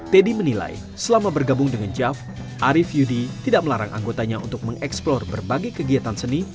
teddy menilai selama bergabung dengan jav arief yudi tidak melarang anggotanya untuk mengeksplor berbagai kegiatan seni